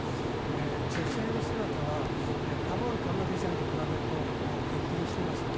女性の姿はカブール陥落時点と比べると激減しています。